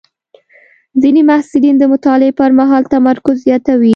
ځینې محصلین د مطالعې پر مهال تمرکز زیاتوي.